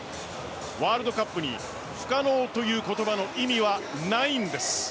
ワールドカップに不可能という言葉の意味はないんです。